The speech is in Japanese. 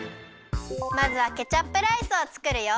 まずはケチャップライスをつくるよ。